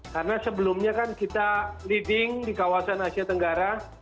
karena sebelumnya kan kita leading di kawasan asia tenggara